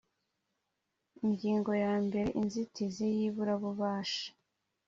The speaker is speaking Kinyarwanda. Ingingo yambere Inzitizi y iburabubasha